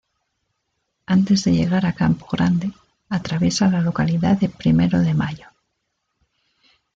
Antes de llegar a Campo Grande, atraviesa la localidad de Primero de Mayo.